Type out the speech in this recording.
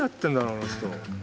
あの人。